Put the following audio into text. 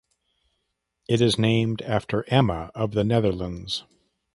It is named after Emma of the Netherlands.